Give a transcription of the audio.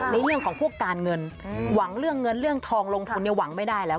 ในเรื่องของพวกการเงินหวังเรื่องเงินเรื่องทองลงทุนเนี่ยหวังไม่ได้แล้ว